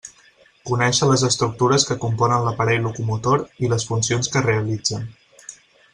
Conéixer les estructures que componen l'aparell locomotor i les funcions que realitzen.